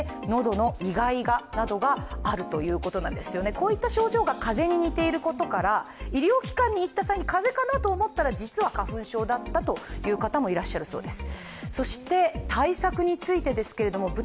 こういった症状が風邪に似ていることから医療機関に行った際、風邪かなと思ったら実は花粉症だったという方もいらっしゃるそうです。